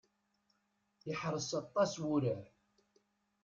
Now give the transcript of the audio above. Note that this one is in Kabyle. Iḥreṣ aṭas wurar.